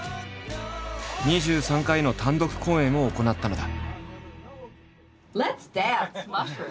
２３回の単独公演を行ったのだ。